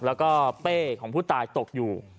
แล้วก็เป้ของผู้ตายตกอยู่